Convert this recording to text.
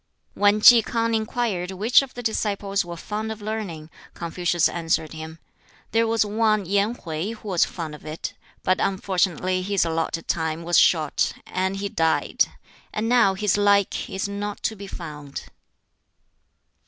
When Ki K'ang inquired which of the disciples were fond of learning, Confucius answered him, "There was one Yen Hwķi who was fond of it; but unfortunately his allotted time was short, and he died; and now his like is not to be found."